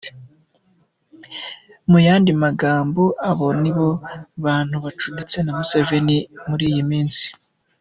Mu yandi magambo, abo nibo bantu bacuditse na Museveni muri iyi minsi.